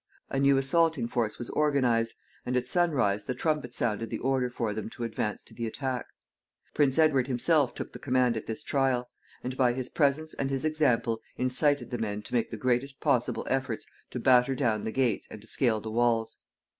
A new assaulting force was organized, and at sunrise the trumpet sounded the order for them to advance to the attack. Prince Edward himself took the command at this trial, and by his presence and his example incited the men to make the greatest possible efforts to batter down the gates and to scale the walls.